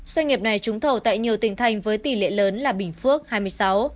doanh nghiệp này trúng thầu tại nhiều tỉnh thành với tỷ lệ lớn là bình phước hai mươi sáu